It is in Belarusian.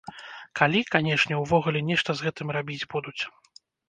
Калі, канешне, ўвогуле нешта з гэтым рабіць будуць.